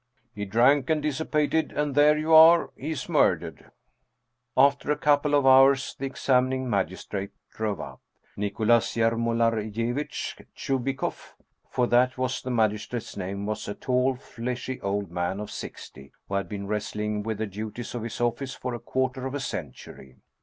He drank and dissipated andthere you are he's murdered." After a couple of hours the examining magistrate drove up. Nicholas Yermolaryevitch Chubikoff for that was the magistrate's name was a tall, fleshy old man of sixty, who had been wrestling with the duties of his office for a quarter of a century.